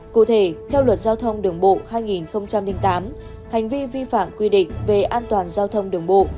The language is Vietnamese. cụ thể theo luật giao thông đường bộ hai nghìn tám hành vi vi phạm quy định về an toàn giao thông đường bộ